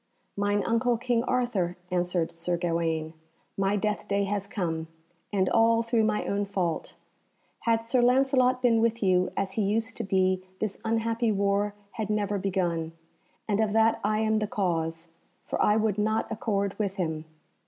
"Mine uncle King Arthur," answered Sir Gawaine, "my death day has come, and all through my own fault. Had Sir Lancelot been with you as he used to be this unhappy war had never begun, and of that I am the cause, for I would not accord with him.